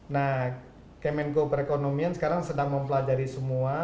nah kemenko perekonomian sekarang sedang mempelajari semua